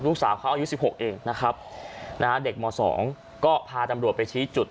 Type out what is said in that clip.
ลูกสาวเขาอายุ๑๖เองนะครับนะฮะเด็กม๒ก็พาตำรวจไปชี้จุด